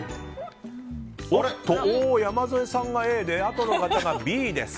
山添さんがＡであとの方がＢです。